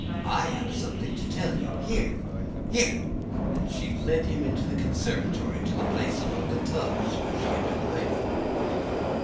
"I have something to tell you. Here, here!" and she led him into the conservatory to the place among the tubs where she had been hiding.